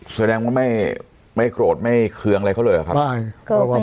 แสดงว่าไม่โกรธไม่เคืองอะไรเขาเลยเหรอครับ